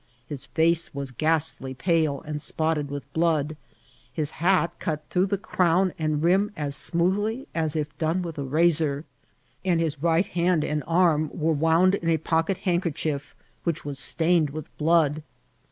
His face was ghastly pale, and spotted with blood ; his hat cut through the crown and rim as smoothly as if done with a raaor, and his right hand and arm were wound Vol. L— K k S58 INCIDSNTt or TEi^SL. in a pooket handerchief, which was stained, with blood.